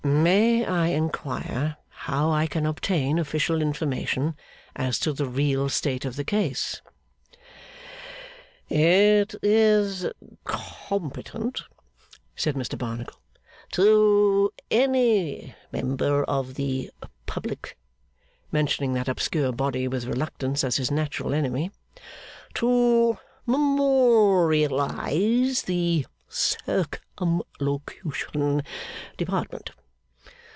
'May I inquire how I can obtain official information as to the real state of the case?' 'It is competent,' said Mr Barnacle, 'to any member of the Public,' mentioning that obscure body with reluctance, as his natural enemy, 'to memorialise the Circumlocution Department.